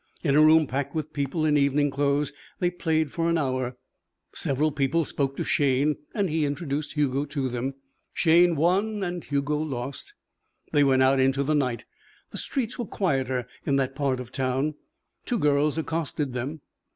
In a room packed with people in evening clothes they played for an hour. Several people spoke to Shayne and he introduced Hugo to them. Shayne won and Hugo lost. They went out into the night. The streets were quieter in that part of town. Two girls accosted them.